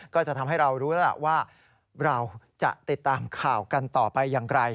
ก็จะทำให้เรารู้แล้วล่ะว่าเราจะติดตามข่าวกันต่อไปอย่างไร